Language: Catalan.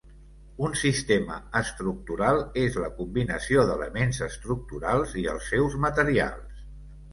Un "sistema estructural" és la combinació d'elements estructurals i els seus materials.